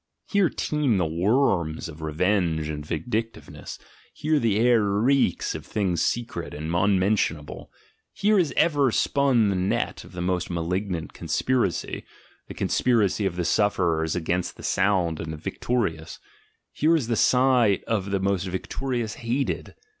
Here teem the worms of revenge and vindictiveness; here the air reeks of things secret and unmentionable; here is ever spun the net of the most malignant conspiracy — the conspiracy of the sufferers against the sound and the victorious; here is the jht of the victorious hated.